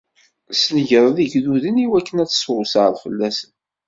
Tesnegreḍ igduden iwakken ad tt-teswesɛeḍ fell-asen.